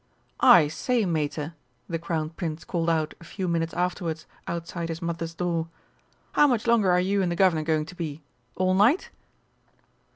"I say, Mater," the Crown Prince called out a few minutes afterwards outside his Mother's door, "how much longer are you and the Guv'nor going to be? All night?"